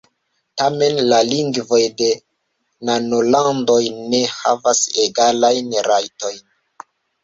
Tamen la lingvoj de nanolandoj ne havas egalajn rajtojn.